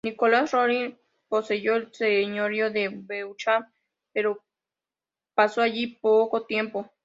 Nicolás Rolin poseyó el señorío de Beauchamp, pero pasó allí poco tiempo.